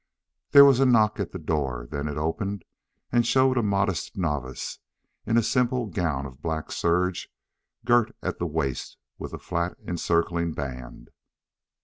There was a knock at the door; then it opened and showed a modest novice in a simple gown of black serge girt at the waist with the flat encircling band.